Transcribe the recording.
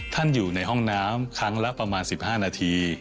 อยู่ในห้องน้ำครั้งละประมาณ๑๕นาที